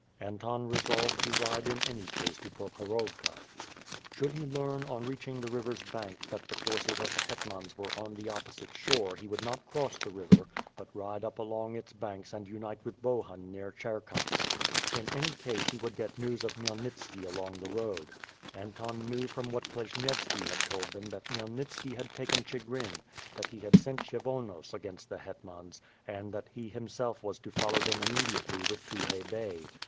Anton resolved to ride in any case to Prokhorovka. Should he learn, on reaching the river's bank, that the forces of the hetmans were on the opposite shore he would not cross the river, but ride up along its banks and unite with Bohun near Cherkass. In any case, he would get news of 18 274 WITH FIRE AND SWORD, Khmyelnitski along the road. Anton knew from what Pleshnyevski had told them that Khmyelnitski had taken Chigrin; that he had sent Kshyvonos against the hetmans; and that he himself was to follow them immediately with Tukhay Bey.